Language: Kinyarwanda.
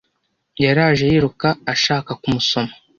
yaraje yiruka ashaka ku musoma